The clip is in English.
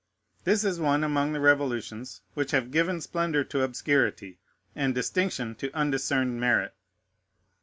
This is one among the revolutions which have given splendor to obscurity and distinction to undiscerned merit.